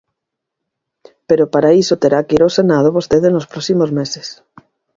Pero para iso terá que ir ao Senado vostede nos próximos meses.